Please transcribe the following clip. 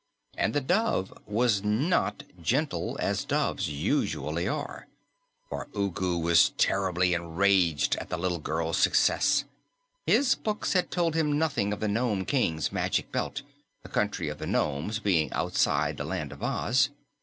And the dove was not gentle, as doves usually are, for Ugu was terribly enraged at the little girl's success. His books had told him nothing of the Nome King's Magic Belt, the Country of the Nomes being outside the Land of Oz.